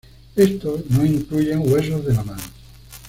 Estos no incluyen huesos de la mano.